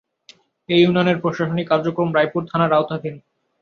এ ইউনিয়নের প্রশাসনিক কার্যক্রম রায়পুর থানার আওতাধীন।